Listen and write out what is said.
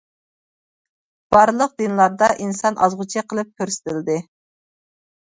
بارلىق دىنلاردا ئىنسان ئازغۇچى قىلىپ كۆرسىتىلدى.